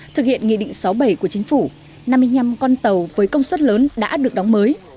thực hiện nghị định sáu bảy của chính phủ năm mươi năm con tàu với công suất lớn đã được đóng mới